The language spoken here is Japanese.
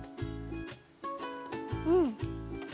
うん！